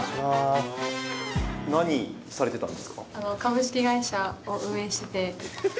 何されてたんですか？